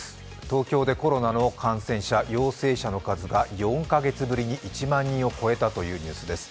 東京でコロナの感染者、陽性者の数が４カ月ぶりに１万人を超えたというニュースです。